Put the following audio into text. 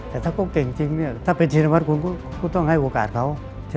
แต่ถ้าเขาเก่งจริงเนี่ยถ้าเป็นชินวัฒนคุณก็ต้องให้โอกาสเขา